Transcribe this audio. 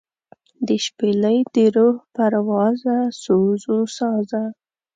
دشپیلۍ دروح پروازه سوزوسازه